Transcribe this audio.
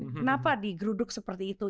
kenapa digeruduk seperti itu